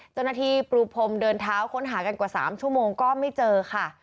ปูพรมเดินเท้าค้นหากันกว่า๓ชั่วโมงก็ไม่เจอค่ะ